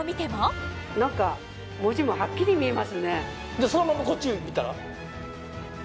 さらにそのままこっち見たら？